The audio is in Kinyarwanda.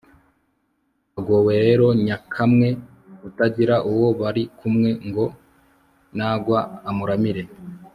hagowe rero nyakamwe, utagira uwo bari kumwe.ngo nagwa amuramire